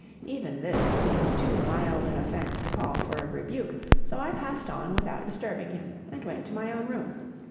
Even this seemed too mild an offense to call for a rebuke, so I passed on without disturbing him, and went to my own room.